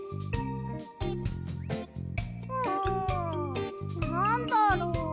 んなんだろう？